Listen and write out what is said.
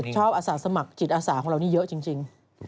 อาสาสมัครจิตอาสาของเรานี่เยอะจริง